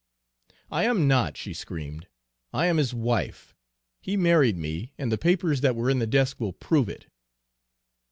"'I am not,' she screamed; 'I am his wife. He married me, and the papers that were in the desk will prove it.'